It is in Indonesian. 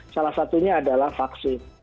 salah satunya adalah vaksin